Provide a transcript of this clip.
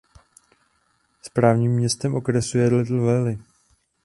Správním městem okresu je Little Valley.